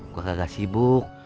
gue gak sibuk